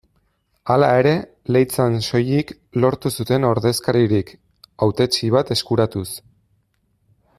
Hala ere, Leitzan soilik lortu zuten ordezkaririk, hautetsi bat eskuratuz.